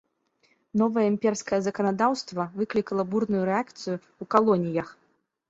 Новае імперскае заканадаўства выклікала бурную рэакцыю ў калоніях.